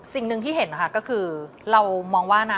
สิ่งหนึ่งที่เห็นนะคะก็คือเรามองว่านะ